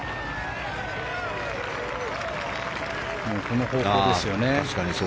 この方向ですよね。